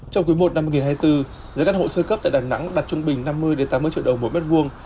trong cuối một hai nghìn hai mươi bốn giá các hộ sơ cấp tại đà nẵng đạt trung bình năm mươi tám mươi triệu đồng mỗi mét vuông